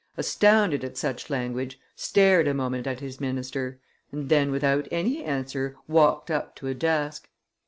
astounded at such language, stared a moment at his minister, and then, without any answer, walked up to a desk.